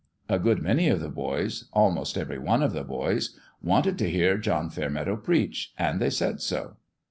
A good many of the boys almost every one of the boys wanted to hear John Fairmeadow preach ; and they said so.